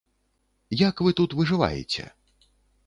Як вы тут выжываеце?